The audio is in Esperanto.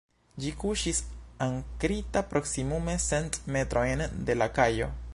Ĝi kuŝis ankrita proksimume cent metrojn de la kajo.